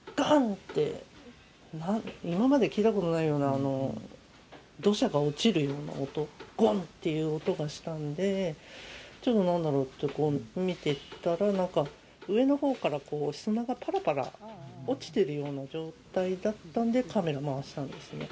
って、今まで聞いたことがないような土砂が落ちるような音、ごんっていう音がしたんで、ちょっとなんだろうって見てたら、なんか上のほうから砂がぱらぱら落ちてるような状態だったんで、カメラを回したんですね。